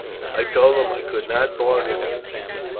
I told him I could not bargain with him.